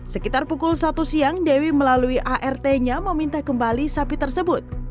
sekitar pukul satu siang dewi melalui art nya meminta kembali sapi tersebut